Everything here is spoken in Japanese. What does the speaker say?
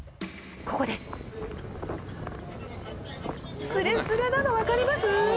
ここですスレスレなの分かります？